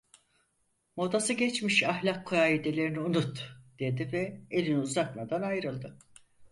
"Modası geçmiş ahlak kaidelerini unut!" dedi ve elini uzatmadan ayrıldı.